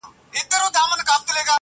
o پوهېده په ښو او بدو عاقلان سوه,